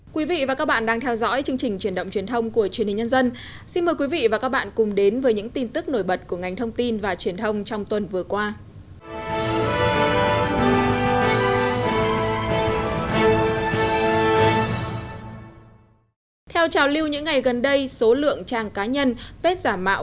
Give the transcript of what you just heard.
các bạn hãy đăng kí cho kênh lalaschool để không bỏ lỡ những video hấp dẫn